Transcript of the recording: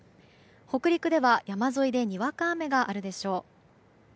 北陸では山沿いでにわか雨があるでしょう。